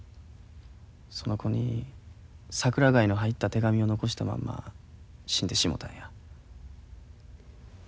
その子に桜貝の入った手紙を残したまんま死んでしもたんや。